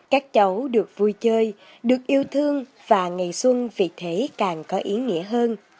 các cháu được vui chơi được yêu thương và ngày xuân vì thế càng có ý nghĩa hơn